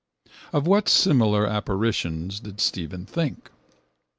Of what similar apparitions did Stephen think?